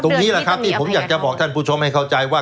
นี่แหละครับที่ผมอยากจะบอกท่านผู้ชมให้เข้าใจว่า